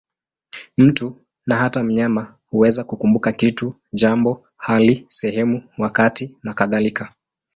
Mtu, na hata mnyama, huweza kukumbuka kitu, jambo, hali, sehemu, wakati nakadhalika.